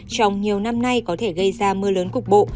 trong nhiều năm nay có thể gây ra mưa lớn cục bộ